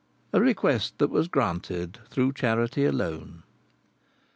a request that was granted through charity alone.